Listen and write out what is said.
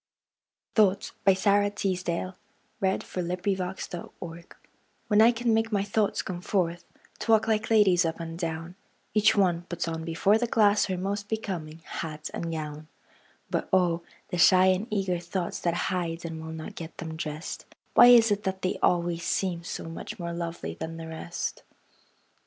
flight Like swallows under evening skies, THOUGHTS WHEN I can make my thoughts come forth To walk like ladies up and down, Each one puts on before the glass Her most becoming hat and gown. But oh, the shy and eager thoughts That hide and will not get them dressed, Why is it that they always seem So much more lovely than the rest?